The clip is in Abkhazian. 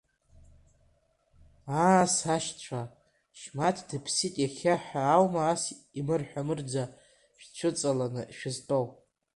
Аа сашьцәа, Шьмаҭ дыԥсит иахьа ҳәа аума ас имырҳәа-мырӡа шәцәыҵаланы шәызтәоу…